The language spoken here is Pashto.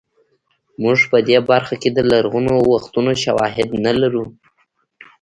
موږ په دې برخه کې د لرغونو وختونو شواهد نه لرو